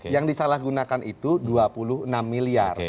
yang disalahgunakan itu dua puluh enam miliar